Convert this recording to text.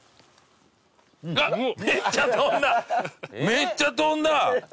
めっちゃ飛んだ！